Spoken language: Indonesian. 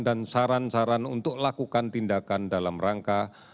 dan saran saran untuk lakukan tindakan dalam rangka